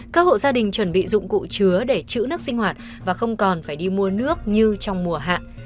các hộ gia đình chuẩn bị dụng cụ chứa để chữ nước sinh hoạt và không còn phải đi mua nước như trong mùa hạn